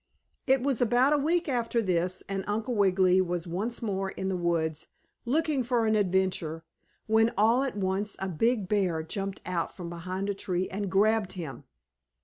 It was about a week after this, and Uncle Wiggily was once more in the woods, looking for an adventure, when, all at once a big bear jumped out from behind a tree and grabbed him.